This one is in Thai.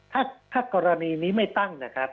ถ้ากรณีนี้ไม่ตั้งนะครับ